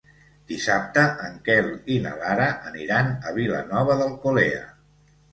Dissabte en Quel i na Lara aniran a Vilanova d'Alcolea.